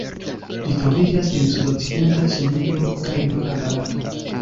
Ĝi troviĝas en sudokcidenta Ĉinio kaj norda Barato.